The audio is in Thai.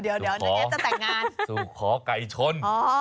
อย่างงี้จะแต่งงานสู่ขอไก่ชนอ๋อ